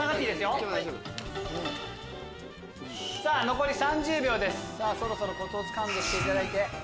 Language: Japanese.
残り３０秒ですそろそろコツをつかんでいただいて。